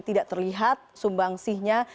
tidak terlihat sumbangsihnya